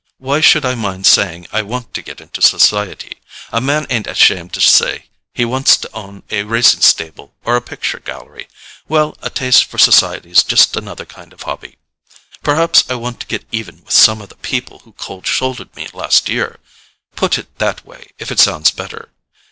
Why should I mind saying I want to get into society? A man ain't ashamed to say he wants to own a racing stable or a picture gallery. Well, a taste for society's just another kind of hobby. Perhaps I want to get even with some of the people who cold shouldered me last year—put it that way if it sounds better.